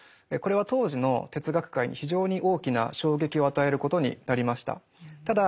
これは当時の哲学界に非常に大きな衝撃を与えることになりました。